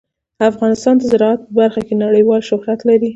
افغانستان د زراعت په برخه کې نړیوال شهرت لري.